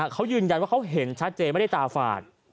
เขายืนยันว่าเขาเห็นชัดเจนไม่ได้ตาฝาด